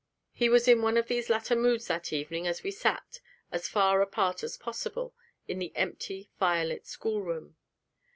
He was in one of these latter moods that evening, as we sat, as far apart as possible, in the empty, firelit schoolroom.